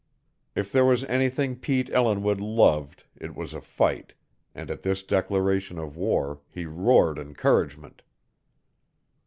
If there was anything Pete Ellinwood loved it was a fight, and at this declaration of war he roared encouragement.